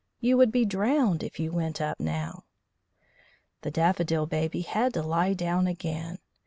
You would be drowned if you went up now." The Daffodil Baby had to lie down again.